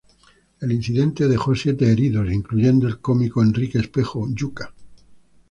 El incidente dejó siete heridos incluyendo el cómico Enrique Espejo "Yuca".